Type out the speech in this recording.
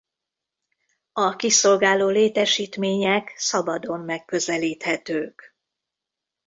A kiszolgáló létesítmények szabadon megközelíthetők.